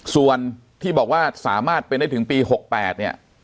ส่วนที่บอกว่าสามารถเป็นได้ถึงปี๖๘เนี่ย